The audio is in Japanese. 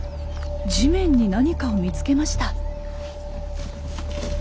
地面に何かを見つけました。